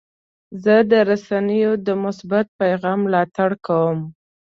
زه د رسنیو د مثبت پیغام ملاتړ کوم.